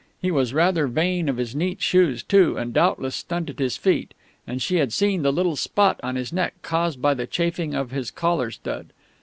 He was rather vain of his neat shoes, too, and doubtless stunted his feet; and she had seen the little spot on his neck caused by the chafing of his collar stud....